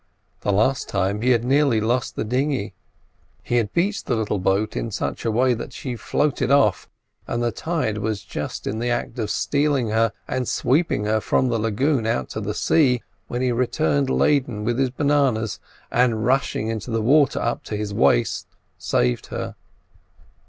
The last time he had nearly lost the dinghy; he had beached the little boat in such a way that she floated off, and the tide was just in the act of stealing her, and sweeping her from the lagoon out to sea, when he returned laden with his bananas, and, rushing into the water up to his waist, saved her.